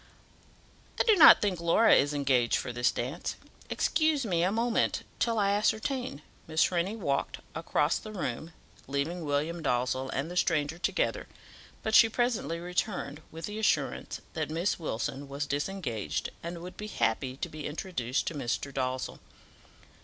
"I do not think Laura is engaged for this dance. Excuse me a moment till I ascertain." Miss Rennie walked across the room, leaving William Dalzell and the stranger together, but she presently returned, with the assurance that Miss Wilson was disengaged, and would be happy to be introduced to Mr. Dalzell.